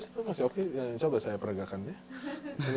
jadi coba saya peregakan ya